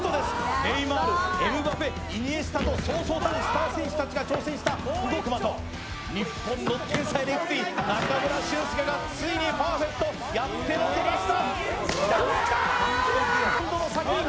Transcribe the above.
ネイマール、エムバペ、イニエスタとそうそうたるスター選手たちが挑戦した動く的、日本の天才レフティー、中村俊輔がついにパーフェクト、やってのけました。